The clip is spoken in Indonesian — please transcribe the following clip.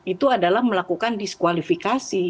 itu adalah melakukan diskualifikasi